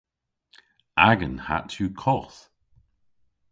Agan hatt yw koth.